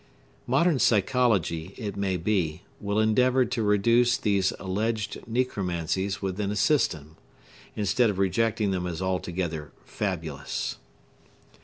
Modern psychology, it may be, will endeavor to reduce these alleged necromancies within a system, instead of rejecting them as altogether fabulous.